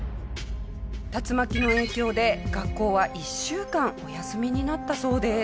竜巻の影響で学校は１週間お休みになったそうです。